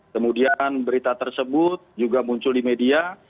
kemudian berita tersebut juga muncul di media